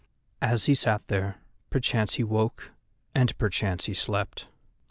As he sat there, perchance he woke, and perchance he slept.